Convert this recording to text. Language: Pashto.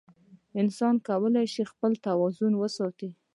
انسان کولی شي خپل توازن وساتي.